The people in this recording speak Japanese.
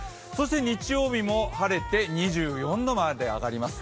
日曜日も晴れて２４度まで上がります。